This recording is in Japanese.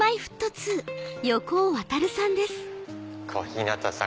小日向さん